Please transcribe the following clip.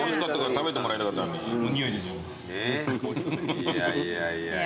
いやいやいやいや。